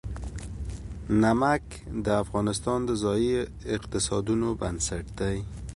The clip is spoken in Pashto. نمک د افغانستان د ځایي اقتصادونو بنسټ دی.